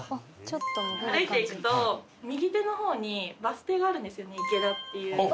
歩いていくと右手の方にバス停があるんですよね池田っていう。